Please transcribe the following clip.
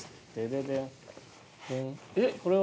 えっこれは！